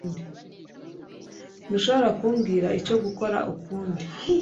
Ntushobora kumbwira icyo gukora ukundi.